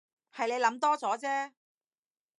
係你諗多咗啫